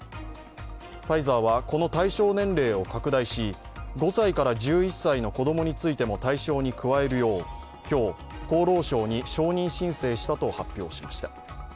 ファイザーはこの対象年齢を拡大し、５歳から１１歳の子供についても対象に加えるよう、今日、厚労省に承認申請したと発表しました。